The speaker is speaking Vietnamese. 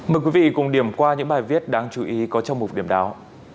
mời quý vị cùng điểm qua những bài viết đáng chú ý có trong một điểm đáo